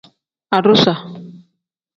Adusa.